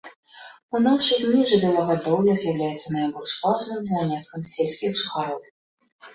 У нашы дні жывёлагадоўля з'яўляецца найбольш важным заняткам сельскіх жыхароў.